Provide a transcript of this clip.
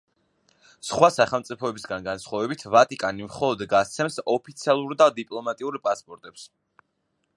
სხვა სახელმწიფოებისაგან განსხვავებით, ვატიკანი მხოლოდ გასცემს ოფიციალურ და დიპლომატიურ პასპორტებს.